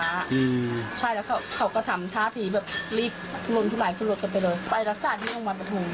อืมใช่แล้วเขาก็เขาก็ทำท้าถีแบบรีบลงทุกกว่าขึ้นรถกันไปเลยไปรักษาที่โรงวัลประทง